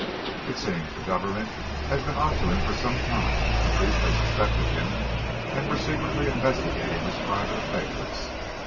It seems the Government has been onto him for some time, at least, they suspected him, and were secretly investigating his private affairs.